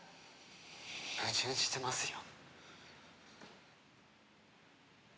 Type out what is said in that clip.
矛盾してますよ。